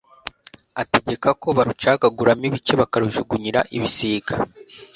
ategeka ko barucagaguramo ibice bakarujugunyira ibisiga